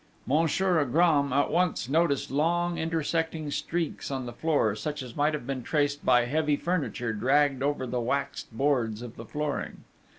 Monsieur Agram at once noticed long, intersecting streaks on the floor, such as might have been traced by heavy furniture dragged over the waxed boards of the flooring.